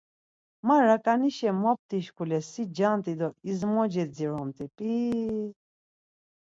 Ma raǩanişa mopti şkule si cant̆i do izmoce dzirumt̆i, p̌iii...